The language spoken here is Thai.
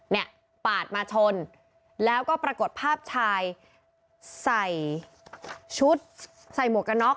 เนี่ยปาดมาชนแล้วก็ปรากฏภาพชายใส่ชุดใส่หมวกกระน็อก